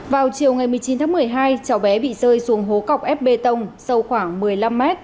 vào chiều ngày một mươi chín tháng một mươi hai cháu bé bị rơi xuống hố cọc ép bê tông sâu khoảng một mươi năm m